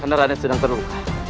karena raden sedang terluka